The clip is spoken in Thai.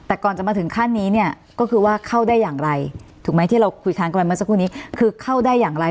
แต่ก่อนจะมาถึงขั้นนี้เนี่ยก็คือว่าเข้าได้อย่างไรถูกไหมที่เราคุยทางกันไว้เมื่อสักครู่นี้คือเข้าได้อย่างไร